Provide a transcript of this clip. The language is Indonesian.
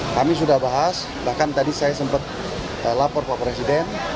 kami sudah bahas bahkan tadi saya sempat lapor pak presiden